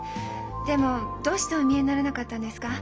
でもどうしてお見えにならなかったんですか？